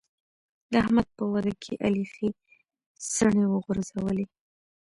د احمد په واده کې علي ښې څڼې وغورځولې.